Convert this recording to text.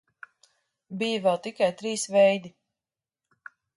Bija vēl tikai trīs veidi.